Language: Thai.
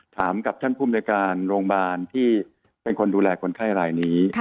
ถามกับท่านภูมิในการโรงพยาบาลที่เป็นคนดูแลคนไข้รายนี้